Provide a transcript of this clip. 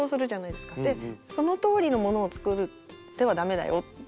でそのとおりのものを作ってはダメだよっていう。